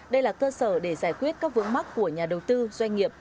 đây là cơ sở để giải quyết các vướng mắc của nhà đầu tư doanh nghiệp